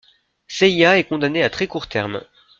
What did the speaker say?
Seiya est condamné à très court terme.